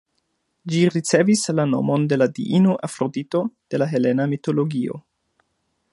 Ĝi ricevis la nomon de la diino Afrodito de la helena mitologio.